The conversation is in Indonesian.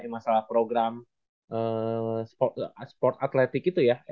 masalah program sport atletik itu ya